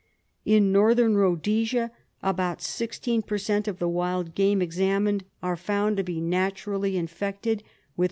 In N. Rhodesia about 16 per cent, of the wild game examined are found to be naturally infected with T.